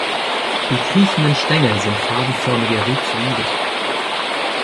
Die kriechenden Stängel sind fadenförmige Rhizoide.